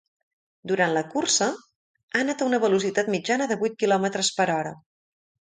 Durant la cursa, ha anat a una velocitat mitjana de vuit quilòmetres per hora.